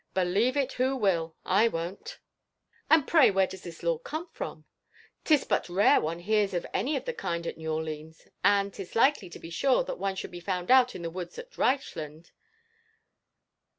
Believe it who will, L won't." "And pray where did this lord come from? 'Tis but rare one hears of any of the kind at New Orleans; and 'tis likely, to be sure, that one should be found out in the woods at Reichland